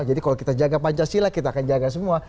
jadi kalau kita jaga pancasila kita akan jaga semua